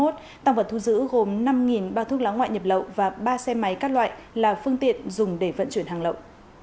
tăng vật thu giữ gồm năm bao thuốc lá ngoại nhập lậu và ba xe máy các loại là phương tiện dùng để vận chuyển hàng lậu